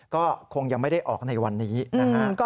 ก็คงยังไม่ได้ออกในวันนี้นะฮะ